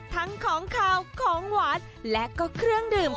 ทั้งของขาวของหวานและก็เครื่องดื่ม